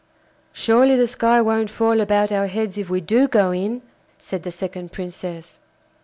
'Surely the sky won't fall about our heads if we do go in,' said the second Princess.